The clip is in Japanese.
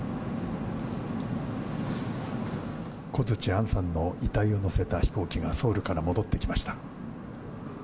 小槌杏さんの遺体を乗せた飛行機がソウルから戻ってきました。